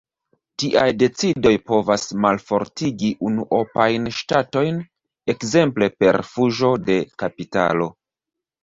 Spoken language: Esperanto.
Tiaj decidoj povas malfortigi unuopajn ŝtatojn, ekzemple per fuĝo de kapitalo.